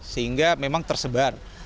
sehingga memang tersebar